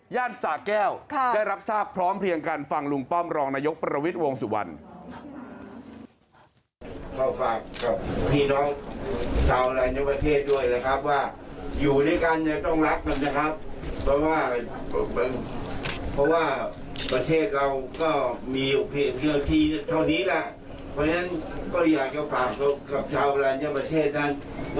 สะแก้วได้รับทราบพร้อมเพียงกันฟังลุงป้อมรองนายกประวิทย์วงสุวรรณ